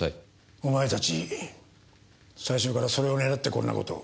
お前たち最初からそれを狙ってこんな事を。